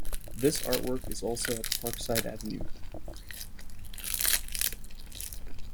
This artwork is also at Parkside Avenue.